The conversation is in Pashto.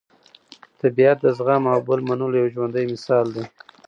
طبیعت د زغم او بل منلو یو ژوندی مثال دی.